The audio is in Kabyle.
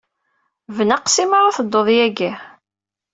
Bnaqes imi ara teddud yagi.